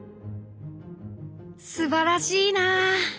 「すばらしいなあ」。